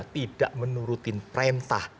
tidak menuruti perintah